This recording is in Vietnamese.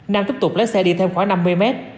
nam tiếp tục lấy xe đi thêm khoảng năm mươi mét